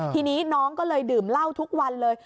ทีนี้น้องก็เลยดื่มเหล้าทุกวันเลย